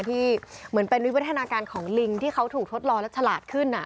ที่เหมือนเป็นวิวัฒนาการของลิงที่เขาถูกทดลองและฉลาดขึ้น